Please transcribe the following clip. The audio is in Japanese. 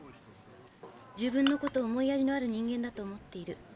自分のことを思いやりのある人間だと思っている。